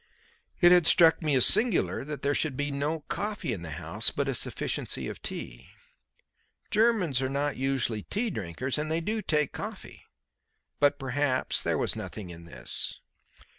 It had struck me as singular that there should be no coffee in the house, but a sufficiency of tea. Germans are not usually tea drinkers and they do take coffee. But perhaps there was nothing in this.